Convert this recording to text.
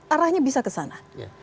arahnya bisa ke sana